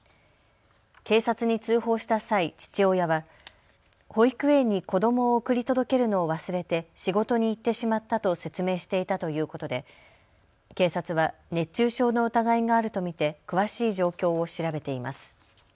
警察に通報した際、父親は保育園に子どもを送り届けるのを忘れて仕事に行ってしまったと説明していたということで警察は熱中症の疑いがあると見て詳しい状況を調べています。